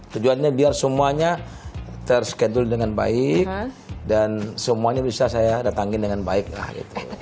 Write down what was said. tujuannya biar semuanya terschedule dengan baik dan semuanya bisa saya datangin dengan baik lah gitu